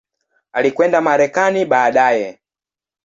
Alikwenda Marekani baadaye.